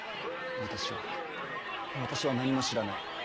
私は私は何も知らない。